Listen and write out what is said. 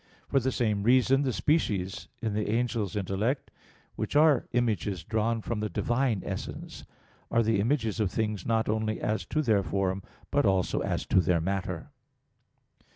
For the same reason, the species in the angel's intellect, which are images drawn from the Divine essence, are the images of things not only as to their form, but also as to their matter.